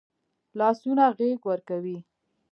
لاسونه غېږ ورکوي